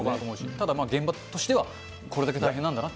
ただ、現場としてはこれだけ大変なんだなと。